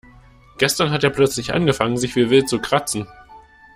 Gestern hat er plötzlich angefangen sich wie wild zu kratzen.